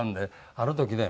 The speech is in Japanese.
あの時ね